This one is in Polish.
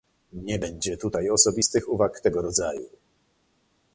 Nie będzie tutaj osobistych uwag tego rodzaju